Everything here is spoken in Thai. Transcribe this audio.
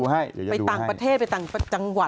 ไปต่างประเทศไปต่างจังหวัด